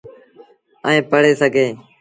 ائيٚݩ پڙهي سگھيٚن۔